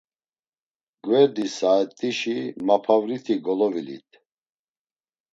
Gverdi saet̆işi Mapavriti golovilit.